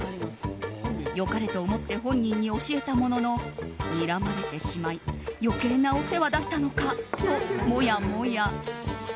良かれと思って本人に教えたもののにらまれてしまい余計なお世話だったのかともやもや。